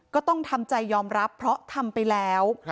ก็ต้องทำใจยอมรับเพราะทำไปแล้ว